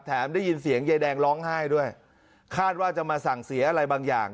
ได้ยินเสียงยายแดงร้องไห้ด้วยคาดว่าจะมาสั่งเสียอะไรบางอย่าง